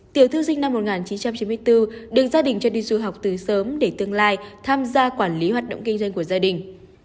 tiểu thư sinh năm một nghìn chín trăm chín mươi bốn được gia đình cho đi du học từ sớm để tương lai tham gia quản lý hoạt động kinh doanh của gia đình